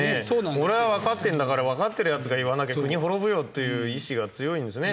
「俺は分かってんだから分かってるやつが言わなきゃ国滅ぶよ」っていう意志が強いんですね。